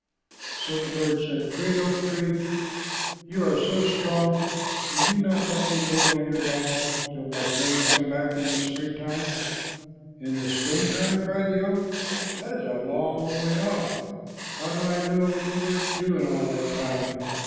So the bird said, "Great oak tree, you are so strong, will you not let me live on your boughs till my friends come back in the springtime?" "In the springtime!" cried the oak. "That is a long way off. How do I know what you might do in all that time?